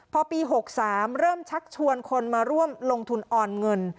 พอปี๖๓เริ่มชักชวนคนมาร่วมลงทุนออนเงิน